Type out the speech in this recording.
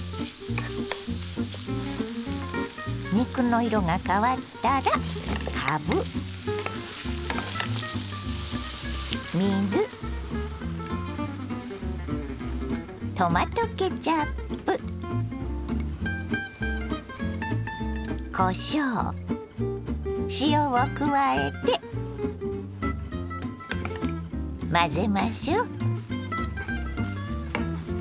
肉の色が変わったらかぶ水トマトケチャップこしょう塩を加えて混ぜましょう。